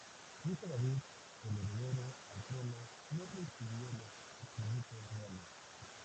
Su hijo David, el heredero al trono, no recibió los atributos reales.